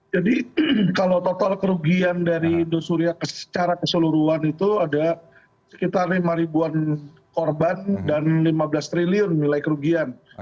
jadi kalau total kerugian dari dosuria secara keseluruhan itu ada sekitar lima ribuan korban dan lima belas triliun nilai kerugian